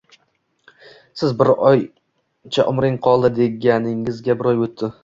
Siz bir oycha umring qoldi, degandingiz, bir oy o`tdi